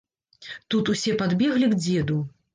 Тут усе падбеглі к дзеду.